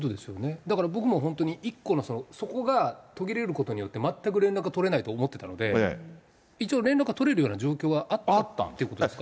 だから僕も本当に１個の、そこが途切れることによって、全く連絡が取れないと思ってたので、一応、連絡は取れるような状況があったってことですか？